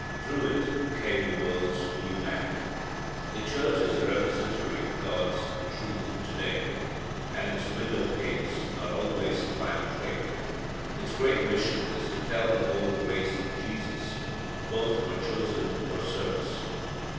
Through it came the world's new Man. The Church is the repository of God's truth to day, with its window panes not always quite clear. Its great mission is to tell the whole race of Jesus. Both were chosen for service.